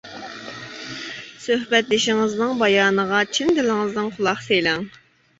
سۆھبەتدىشىڭىزنىڭ بايانىغا چىن دىلىڭىزدىن قۇلاق سېلىڭ.